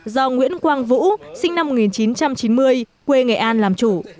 do nguyễn quang vũ sinh năm một nghìn chín trăm chín mươi quê nghệ an làm chủ